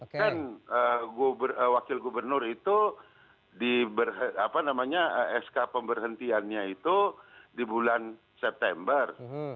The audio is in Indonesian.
kan wakil gubernur itu sk pemberhentiannya itu di bulan september